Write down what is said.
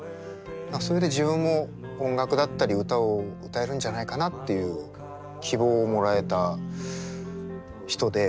それで自分も音楽だったり歌を歌えるんじゃないかなっていう希望をもらえた人で。